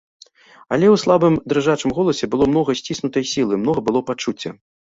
Але ў слабым дрыжачым голасе было многа сціснутай сілы, многа было пачуцця.